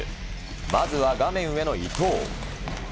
まずは画面上の伊藤。